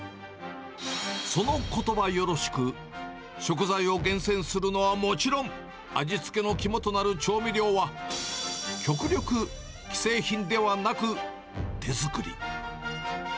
そのことばよろしく、食材を厳選するのはもちろん、味付けの肝となる調味料は、極力既製品ではなく、手作り。